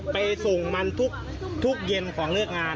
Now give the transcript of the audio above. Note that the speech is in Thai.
ไปส่งมันทุกเย็นของเลิกงาน